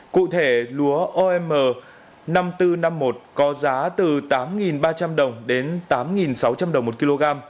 cụ thể lúa om năm nghìn bốn trăm năm mươi một có giá từ tám ba trăm linh đồng đến tám sáu trăm linh đồng một kg